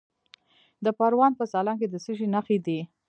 د پروان په سالنګ کې د څه شي نښې دي؟